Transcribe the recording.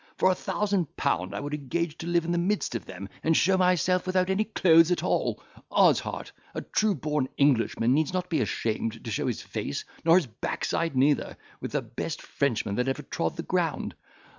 for a thousand pound, I would engage to live in the midst of them, and show myself without any clothes at all. Odds heart! a true born Englishman needs not be ashamed to show his face, nor his backside neither, with the best Frenchman that ever trod the ground.